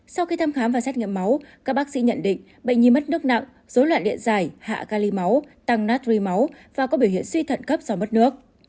sau khi thăm khám và xét nghiệm máu các bác sĩ nhận định bệnh nhi mất nước nặng dối loạn điện dài hạ ca ly máu tăng nát ri máu và có biểu hiện suy thận cấp do mất nước